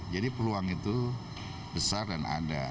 jadi peluang itu besar dan ada